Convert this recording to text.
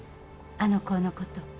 あの子のこと。